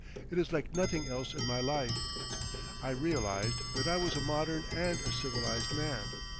It is like nothing else in my life. I realised that I was a modern and a civilised man.